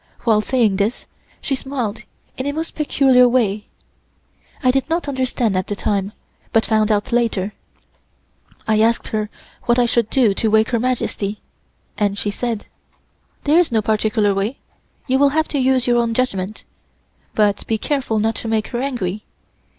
While saying this she smiled in a most peculiar way. I did not understand at the time, but found out later. I asked her what I should do to wake Her Majesty, and she said: "There is no particular way, you will have to use your own judgment; but be careful not to make her angry.